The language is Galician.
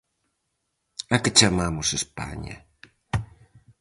A que chamamos España?